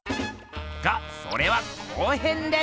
がそれは後編で！